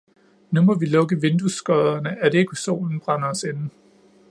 Nu må vi lukke vinduesskodderne at ikke solen brænder os inde